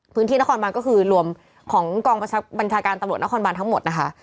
นครบานก็คือรวมของกองบัญชาการตำรวจนครบานทั้งหมดนะคะ